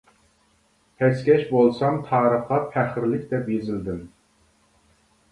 پەسكەش بولسام تارىخقا پەخىرلىك دەپ يېزىلدىم.